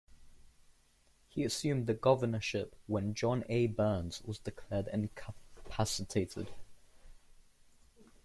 He assumed the governorship when John A. Burns was declared incapacitated.